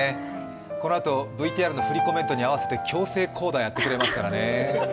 このあとＶＴＲの振りコメントに合わせて強制コーダやってくれますからね。